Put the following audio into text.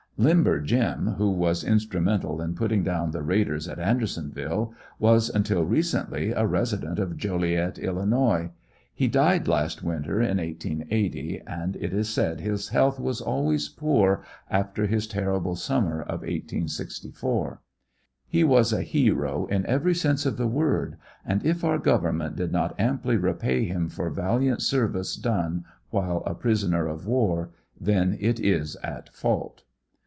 "Limber Jim," who was instrumental in putting down the raiders at Andersonville, was until recently a resident of Joliet, Illinois. He died last winter, in 1880, and it is said his health was always poor after his terrible summer of 1864. He was a hero in every sense of the word, and if our government did not amply repay him for val iant service done while a prisoner of war, then it is at fault.